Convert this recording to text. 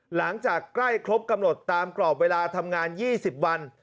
หลังจากใกล้ครบกำหนดตามกรอบเวลาทำงาน๒๐วัน